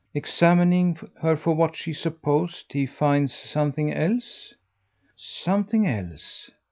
"Examining her for what she supposed he finds something else?" "Something else."